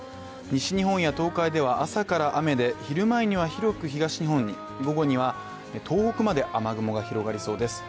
西日本や東海では朝から雨で昼前には広く東日本に、午後には東北まで雨雲が広がりそうです。